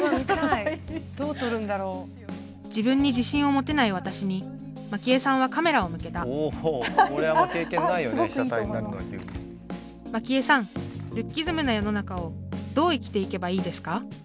自分に自信を持てない私にマキエさんはカメラを向けたマキエさんルッキズムな世の中をどう生きていけばいいですか？